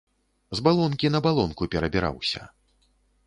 З балонкі на балонку перабіраўся.